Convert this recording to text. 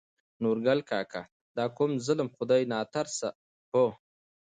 نورګل کاکا : دا کوم ظلم خداى ناترسه په